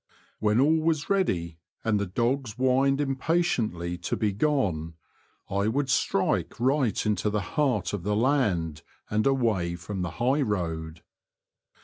When all was ready, and the dogs whined impatiently to be gone, I would strike right into the heart of the land, and away from the high road.